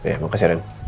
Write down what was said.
ya makasih ren